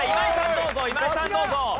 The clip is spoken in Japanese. どうぞ今井さんどうぞ！